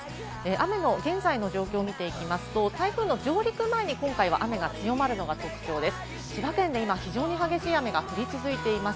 雨の現在の状況を見ていきますと、台風の上陸前に今回は雨が強まるのが特徴です。